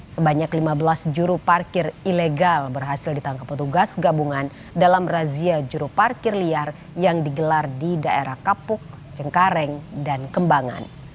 sebanyak lima belas juru parkir ilegal berhasil ditangkap petugas gabungan dalam razia juru parkir liar yang digelar di daerah kapuk cengkareng dan kembangan